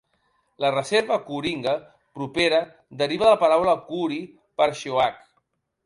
La reserva Kooringa propera deriva de la paraula koori per "sheoak".